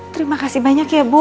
terima kasih banyak ya bu